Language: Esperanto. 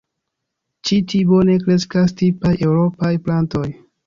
Ĉi ti bone kreskas tipaj eŭropaj plantoj.